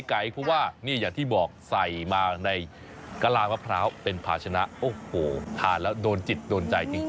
เพราะว่านี่อย่างที่บอกใส่มาในกะลามะพร้าวเป็นภาชนะโอ้โหทานแล้วโดนจิตโดนใจจริง